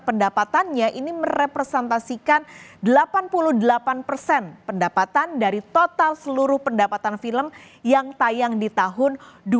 pendapatannya ini merepresentasikan delapan puluh delapan persen pendapatan dari total seluruh pendapatan film yang tayang di tahun dua ribu dua puluh